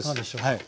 はい。